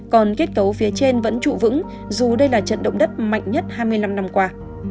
còn kết cấu phía trên vẫn trụ vững dù đây là trận động đất mạnh nhất hai mươi năm năm qua